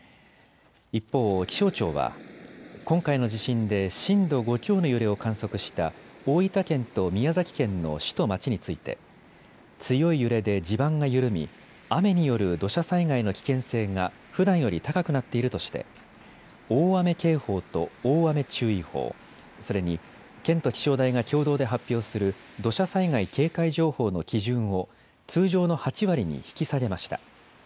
一方、気象庁は、今回の地震で震度５強の揺れを観測した大分県と宮崎県の市と町について、強い揺れで地盤が緩み、雨による土砂災害の危険性が普段より高くなっているとして、大雨警報と大雨注意報、それに県と気象台が共同で発表する土砂災害警戒情報の基準を、通常の８割に引き下げました。